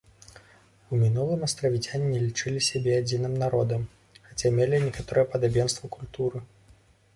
У мінулым астравіцяне не лічылі сябе адзіным народам, хаця мелі некаторае падабенства ў культуры.